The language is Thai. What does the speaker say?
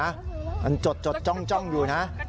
มันจดจ้องอยู่นะ